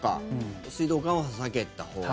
水道管は避けたほうが。